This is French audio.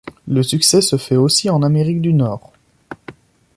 Le succès se fait aussi en Amérique du Nord.